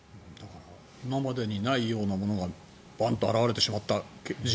今までにないようなものがバンと表れてしまった